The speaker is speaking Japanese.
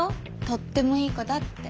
とってもいい子だって。